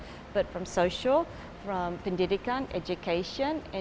tapi dari sosial pendidikan pendidikan dan berbagi